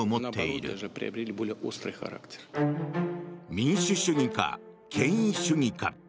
民主主義か、権威主義か。